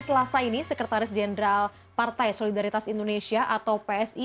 selasa ini sekretaris jenderal partai solidaritas indonesia atau psi